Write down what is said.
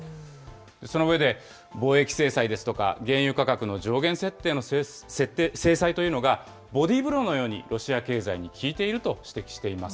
その上で、貿易制裁ですとか、原油価格の上限設定の制裁というのが、ボディーブローのようにロシア経済に効いていると指摘しています。